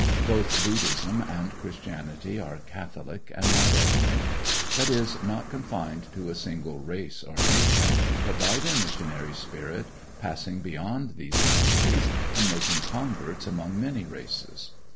Both Buddhism and Christianity are catholic, and not ethnic; that is, not confined to a single race or nation, but by their missionary spirit passing beyond these boundaries, and making converts among many races.